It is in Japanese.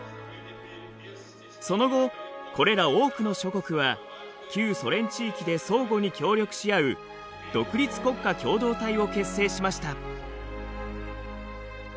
その後これら多くの諸国は旧ソ連地域で相互に協力し合う独立国家共同体を結成しました。